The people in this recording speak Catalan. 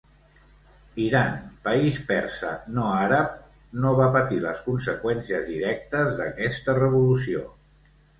Iran, país persa no àrab, no va patir les conseqüències directes d'aquesta Revolució.